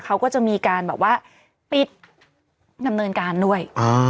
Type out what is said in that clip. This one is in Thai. เขาก็จะมีการแบบว่าปิดดำเนินการด้วย